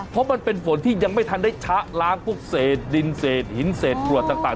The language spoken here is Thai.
เพราะมันเป็นฝนที่ยังไม่ทันได้ชะล้างพวกเศษดินเศษหินเศษกรวดต่าง